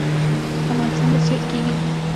افغانستان به سیال کیږي